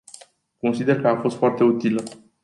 Consider că a fost foarte utilă.